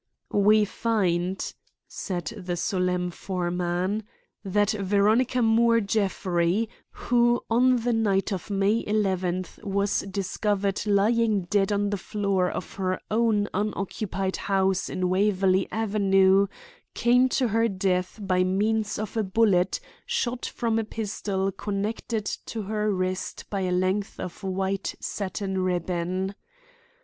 "We find," said the solemn foreman, "that Veronica Moore Jeffrey, who on the night of May eleventh was discovered lying dead on the floor of her own unoccupied house in Waverley Avenue, came to her death by means of a bullet, shot from a pistol connected to her wrist by a length of white satin ribbon.